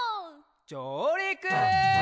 じょうりく！